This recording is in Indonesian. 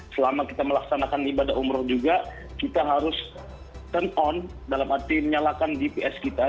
selama kita melaksanakan ibadah umroh juga kita harus turn on dalam arti menyalakan gps kita